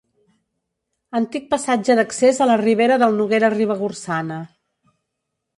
Antic passatge d'accés a la ribera del Noguera Ribagorçana.